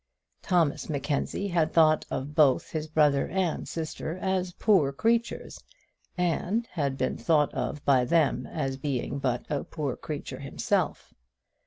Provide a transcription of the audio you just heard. Thomas Mackenzie had thought of both his brother and sister as poor creatures, and had been thought of by them as being but a poor creature himself.